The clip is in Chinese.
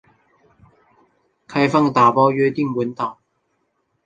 开放打包约定文档。